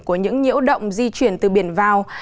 của những nhiễu động di chuyển từ biển vào